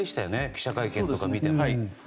記者会見とかを見ても。